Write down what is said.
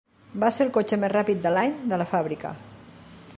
Va ser el cotxe més ràpid de l'any de la fàbrica.